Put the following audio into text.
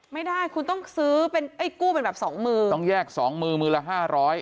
ไม่ได้คุณต้องซื้อเป็นไอ้กู้เป็นแบบสองมือต้องแยกสองมือมือละห้าร้อย